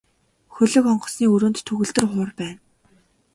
Хөлөг онгоцны өрөөнд төгөлдөр хуур байна.